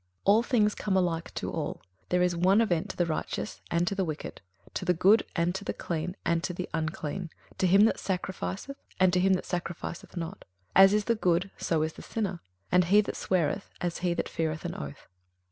21:009:002 All things come alike to all: there is one event to the righteous, and to the wicked; to the good and to the clean, and to the unclean; to him that sacrificeth, and to him that sacrificeth not: as is the good, so is the sinner; and he that sweareth, as he that feareth an oath.